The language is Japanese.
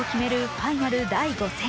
ファイナル第５戦。